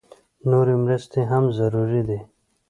نورې مرستې هم ضروري دي